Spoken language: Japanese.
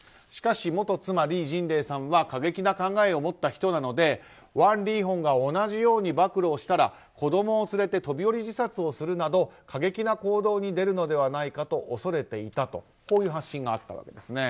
しかし元妻リー・ジンレイさんは過激な考えを持った人なのでワン・リーホンが同じように暴露をしたら子供を連れて飛び降り自殺をするなど過激な行動に出るのではと恐れていたという発信があったわけです。